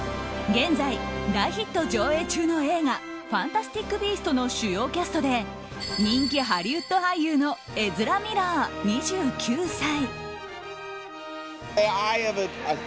現在大ヒット上映中の映画「ファンタスティック・ビースト」の主要キャストで人気ハリウッド俳優のエズラ・ミラー、２９歳。